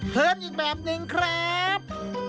เชิญอีกแบบหนึ่งครับ